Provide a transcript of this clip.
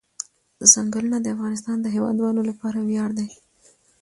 ځنګلونه د افغانستان د هیوادوالو لپاره ویاړ دی.